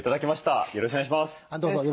どうぞよろしくお願い致します。